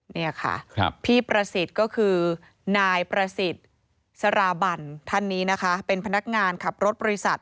นี่ค่ะพี่ประสิทธิ์ก็คือนายประสิทธิ์สราบันท่านนี้นะคะเป็นพนักงานขับรถบริษัท